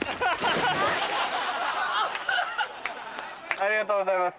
ありがとうございます。